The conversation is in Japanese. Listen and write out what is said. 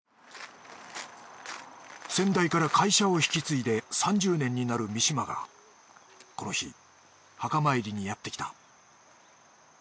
先代から会社を引き継いで３０年になる三島がこの日墓参りにやってきた。